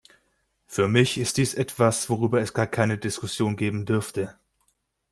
Für mich ist dies etwas, worüber es gar keine Diskussion geben dürfte.